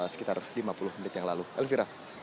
sekitar lima puluh menit yang lalu elvira